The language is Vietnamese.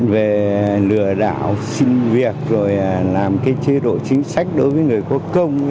về lừa đảo sinh việc rồi làm cái chế độ chính sách đối với người có công